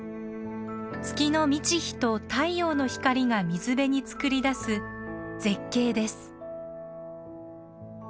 月の満ち干と太陽の光が水辺に作り出す絶景です。